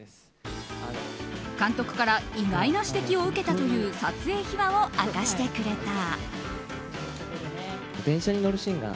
監督から意外な指摘を受けたという撮影秘話を明かしてくれた。